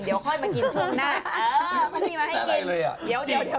เดี๋ยวค่อยมากินช่วงหน้า